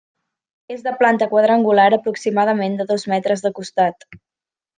És de planta quadrangular aproximadament de dos metres de costat.